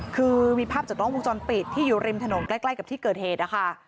คือมีภาพจัดลองมุมจรปีดที่อยู่ริมถนนแกล้กับที่เกดเหดนะคะ